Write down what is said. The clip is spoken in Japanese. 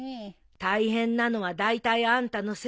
大変なのはだいたいあんたのせいよ。